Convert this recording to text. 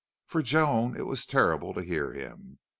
For Joan it was terrible to hear him.